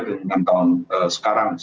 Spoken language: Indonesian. dengan tahun sekarang